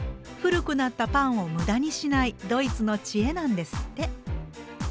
古くなったパンを無駄にしないドイツの知恵なんですって。